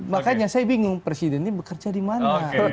makanya saya bingung presiden ini bekerja di mana